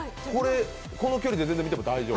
この距離で見ても全然大丈夫？